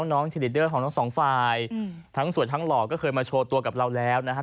น้องเทรดเดอร์ของทั้งสองฝ่ายทั้งสวยทั้งหล่อก็เคยมาโชว์ตัวกับเราแล้วนะครับ